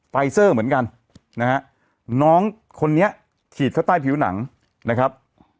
ไฟเซอร์เหมือนกันนะฮะน้องคนนี้ฉีดเข้าใต้ผิวหนังนะครับ